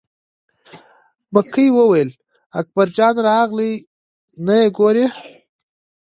مکۍ وویل: اکبر جان راغلی نه یې ګورې.